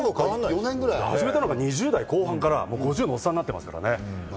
始めたのが２０代後半から今、５０代のおっさんになってます。